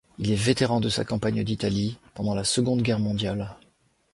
Il est vétéran de la campagne d'Italie pendant la Seconde Guerre mondiale.